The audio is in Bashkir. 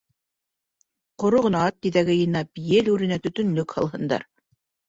Ҡоро ғына ат тиҙәге йыйнап ел үренә төтөнлөк һалһындар.